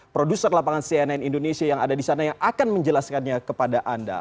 produser lapangan cnn indonesia yang ada di sana yang akan menjelaskannya kepada anda